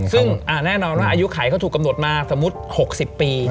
ซึ่งแน่นอนว่าอายุไขเขาถูกกำหนดมาสมมุติ๖๐ปี